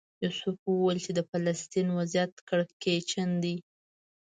یوسف وویل چې د فلسطین وضعیت کړکېچن دی.